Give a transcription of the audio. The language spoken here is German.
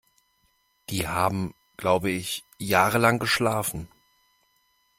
Die haben, glaube ich, jahrelang geschlafen.